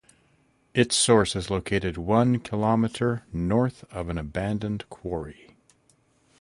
Its source is located one kilometer north of an abandoned quarry.